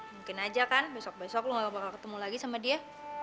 mungkin aja kan besok besok lu gak bakal ketemu lagi sama dia